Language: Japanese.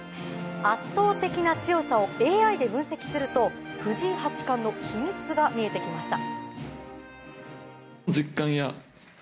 圧倒的な強さをＡＩで分析すると藤井八冠の秘密が見えてきました。